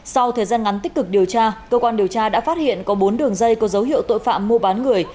sau thời gian ngắn tích cực điều tra cơ quan điều tra đã phát hiện có bốn đường dây có dấu hiệu tội phạm mua bán người